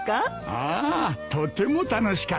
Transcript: ああとても楽しかった。